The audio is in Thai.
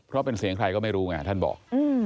เพราะเป็นเสียงใครก็ไม่รู้ไงท่านบอก